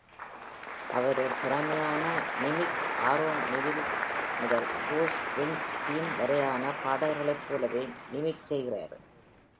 அவர் ஒரு திறமையான mimic, Aaron Neville முதல் புரூஸ் ஸ்பிரிங்ஸ்டீன் வரையான பாடகர்களைப் போலவே மிமிக்செய்கிறார்.